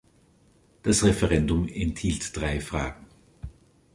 Das Referendum enthielt drei Fragen.